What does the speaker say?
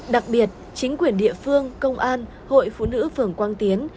đặc biệt chính quyền địa phương công an hội phụ nữ phường quang tiến